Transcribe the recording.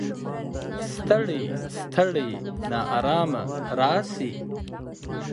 ستړی، ستړی ناارام راشي